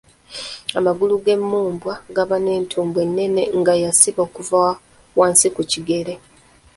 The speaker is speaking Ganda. Amagulu ag'emmumbwa gaba n’entumbwe nnene nga yasiba okuva wansi ku kigere.